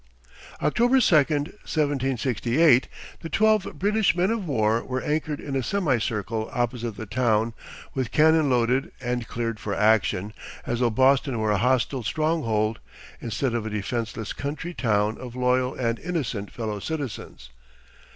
October 2, 1768, the twelve British men of war were anchored in a semicircle opposite the town, with cannon loaded, and cleared for action, as though Boston were a hostile stronghold, instead of a defenseless country town of loyal and innocent fellow citizens.